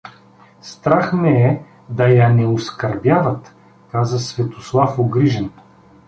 — Страх ме е да я не оскърбяват — каза Светослав угрижен.